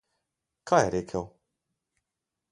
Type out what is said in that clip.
Kaj je rekel?